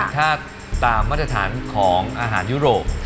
ถ้าตามมาตรฐานของอาหารยุโรป